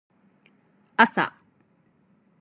あさ